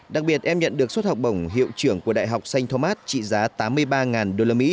đặc biệt em nhận được suất học bổng hiệu trưởng của đại học xanh thomas trị giá tám mươi ba usd